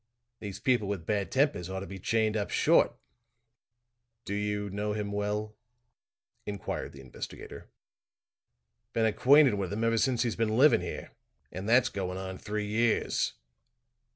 These people with bad tempers ought to be chained up short." "Do you know him well?" inquired the investigator. "Been acquainted with him ever since he's been living here and that's going on three years."